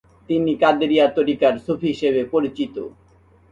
তিনি কাদেরিয়া তরিকার সুফি হিসেবে পরিচিত।